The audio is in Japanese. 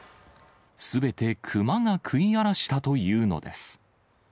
すべてクマが食い荒らしたというのです。